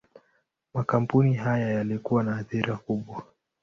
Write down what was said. Makampuni haya yalikuwa na athira kubwa.